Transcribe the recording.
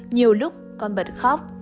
nhiều lúc con bật khóc